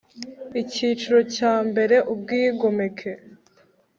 Icyiciro cya mbere Ubwigomeke